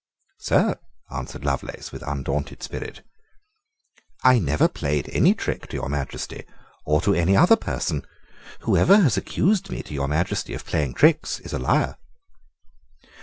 "Sir," answered Lovelace, with undaunted spirit, "I never played any trick to your Majesty, or to any other person. Whoever has accused me to your Majesty of playing tricks is a liar."